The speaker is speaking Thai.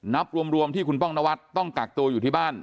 นับรวมที่คุณป้องนวัดต้องกักตัวอยู่ที่บ้าน